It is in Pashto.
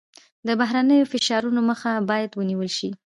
د بهرنیو فشارونو مخه باید ونیول شي.